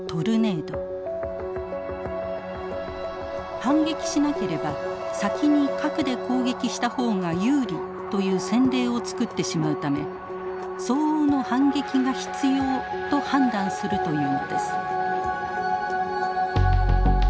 反撃しなければ先に核で攻撃したほうが有利という先例を作ってしまうため相応の反撃が必要と判断するというのです。